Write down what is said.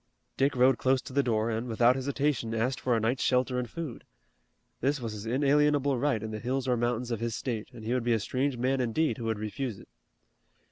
Dick rode close to the door, and, without hesitation, asked for a night's shelter and food. This was his inalienable right in the hills or mountains of his state, and he would be a strange man indeed who would refuse it.